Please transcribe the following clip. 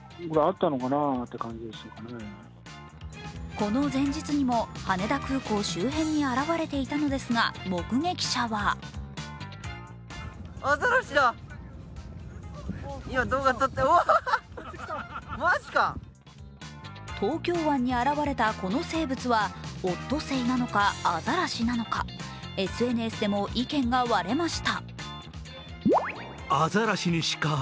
この前日にも羽田空港周辺に現れていたのですが、目撃者は東京湾に現れたこの生物はオットセイなのかアザラシなのか、ＳＮＳでも意見が割れました。